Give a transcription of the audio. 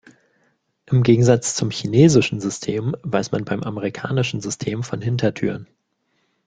Im Gegensatz zum chinesischen System, weiß man beim amerikanischen System von Hintertüren.